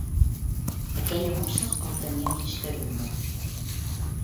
Aquella mossa el tenia mig tarumba.